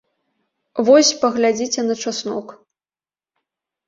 Вось паглядзіце на часнок!